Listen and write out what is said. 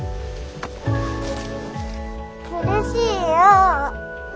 苦しいよう。